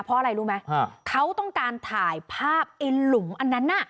เพราะอะไรรู้ไหมเขาต้องการถ่ายภาพไอ้หลุมอันนั้นน่ะ